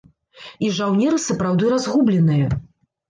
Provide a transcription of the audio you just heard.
І жаўнеры сапраўды разгубленыя.